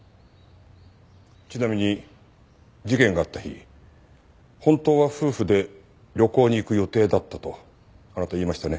ちなみに事件があった日本当は夫婦で旅行に行く予定だったとあなた言いましたね？